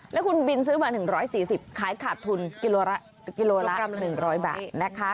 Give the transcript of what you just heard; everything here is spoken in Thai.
แล้วคุณบินซื้อมา๑๔๐ขายขาดทุนกิโลละกรัม๑๐๐บาทนะคะ